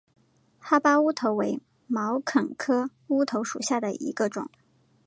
哈巴乌头为毛茛科乌头属下的一个种。